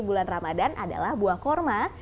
bulan ramadan adalah buah kurma